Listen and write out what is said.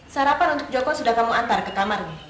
sarapan untuk joko sudah kamu antar ke kamarnya